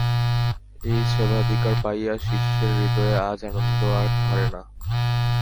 এই সেবাধিকার পাইয়া শিষ্যের হৃদয়ে আজ আনন্দ আর ধরে না।